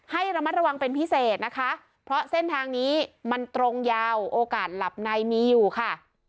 ให้ระมัดระวังเป็นพิเศษนะคะเพราะเส้นทางนี้มันตรงยาวโอกาสหลับในมีอยู่ค่ะ